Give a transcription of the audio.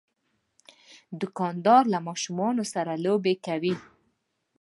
دوکاندار له ماشومان سره لوبې کوي.